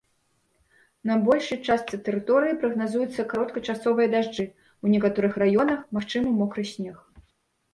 На большай частцы тэрыторыі прагназуюцца кароткачасовыя дажджы, у некаторых раёнах магчымы мокры снег.